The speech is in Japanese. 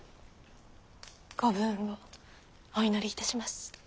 ご武運をお祈りいたします。